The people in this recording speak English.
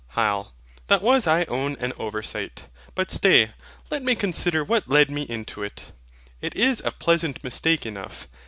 HYL. That was I own an oversight; but stay, let me consider what led me into it. It is a pleasant mistake enough.